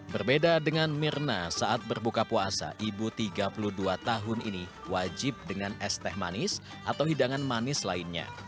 berbeda dengan mirna saat berbuka puasa ibu tiga puluh dua tahun ini wajib dengan es teh manis atau hidangan manis lainnya